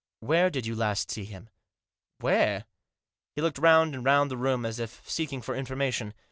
" Where did you last see him ?"" Where ?" He looked round and round the room, as if seeking for information.